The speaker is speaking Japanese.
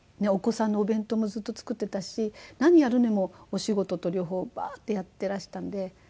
お子さんのお弁当もずっと作ってたし何やるにもお仕事と両方バーッてやっていらしたんで。